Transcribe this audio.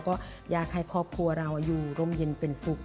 ก็อยากให้ครอบครัวเราอยู่ร่มเย็นเป็นสุข